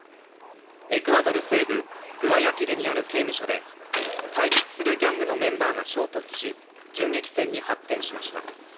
エクアドル西部グアヤキルにある刑務所で対立するギャングのメンバーが衝突し、銃撃戦に発展しました。